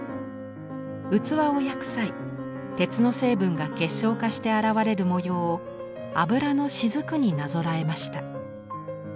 器を焼く際鉄の成分が結晶化して現れる模様を油の滴になぞらえました。